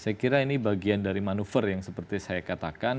saya kira ini bagian dari manuver yang seperti saya katakan